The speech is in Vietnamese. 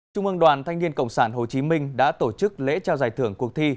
trung ương đoàn thanh niên cộng sản hồ chí minh đã tổ chức lễ trao giải thưởng cuộc thi